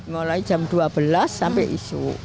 mulai jam dua belas sampai isu